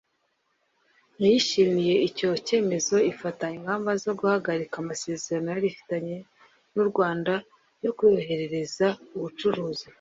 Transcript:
ntiyishimiye icyo cyemezo ifata ingamba zo guhagarika amasezerano yari ifitanye n’u Rwanda yo kuyorohereza ubucuruzi